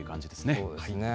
そうですね。